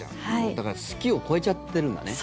だから好きを超えちゃってるんだね。